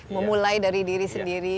memulai dari diri sendiri